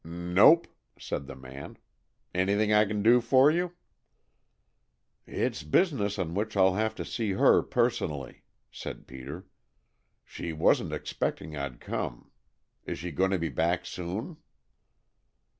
"Nope," said the man. "Anything I can do for you?" "It's business on which I'll have to see her personally," said Peter. "She wasn't expecting I'd come. Is she going to be back soon?"